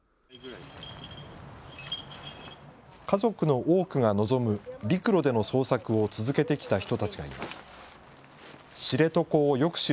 家族の多くが望む、陸路での捜索を続けてきた人たちがいます。